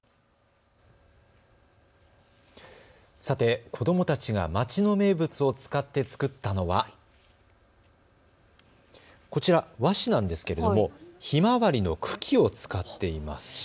さて子どもたちが町の名物を使って作ったのはこちら和紙なんですけれどもひまわりの茎を使っています。